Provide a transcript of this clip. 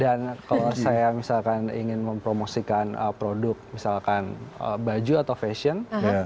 dan kalau saya misalkan ingin mempromosikan produk misalkan baju atau fashion